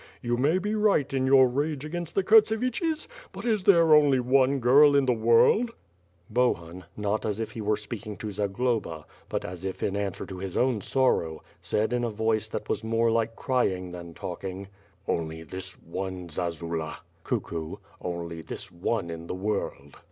You may be right in your rage against the Kurtseviches, but is there only one girl in the world ?'' Bohun, not as if he were speaking to Zagloba, but as if in answer to his own sorrow, said in a voice that was more like crying than talking: "Only this one zazula (cuckoo), only this one in the world!''